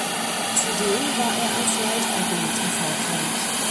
Zudem war er als Leichtathlet erfolgreich.